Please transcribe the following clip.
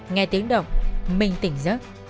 nghe tiếng động mình tỉnh giấc